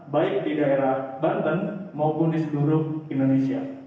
baik di daerah banten maupun di seluruh indonesia